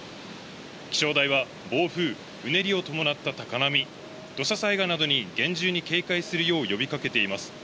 気象台は暴風、うねりを伴った高波、土砂災害などに厳重に警戒するよう呼び掛けています。